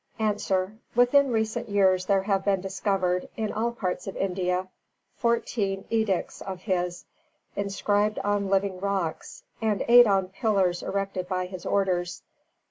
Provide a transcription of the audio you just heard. _ A. Within recent years there have been discovered, in all parts of India, fourteen Edicts of his, inscribed on living rocks, and eight on pillars erected by his orders.